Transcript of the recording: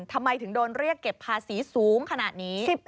ทำไมถึงโดนเรียกเก็บภาษีสูงขนาดนี้